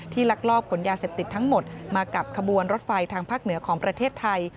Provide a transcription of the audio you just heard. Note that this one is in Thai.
ลักลอบขนยาเสพติดทั้งหมดมากับขบวนรถไฟทางภาคเหนือของประเทศไทย